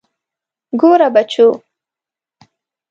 ګوره بچو.